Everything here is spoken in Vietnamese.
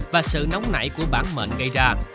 và sự nóng nảy của bản mệnh gây ra